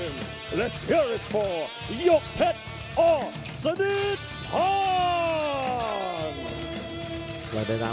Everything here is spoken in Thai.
มีความรู้สึกว่า